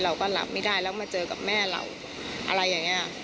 เราก็รับไม่ได้แล้วมาเจอกับแม่เราอะไรอย่างนี้